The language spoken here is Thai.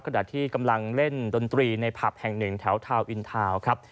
ขณะที่กำลังเล่นดนตรีในผับแห่งหนึ่งแถวทาวน์อินทาวน์ครับ